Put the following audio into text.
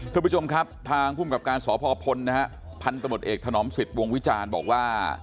คุณผู้ชมครับทางภูมิกับการสพพลนะฮะพันธมตเอกถนอมสิทธิ์วงวิจารณ์บอกว่า